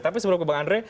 tapi sebelum ke mbak andre